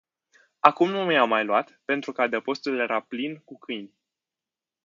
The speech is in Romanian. Acum nu i-am mai luat, pentru că adăpostul era plin cu câini.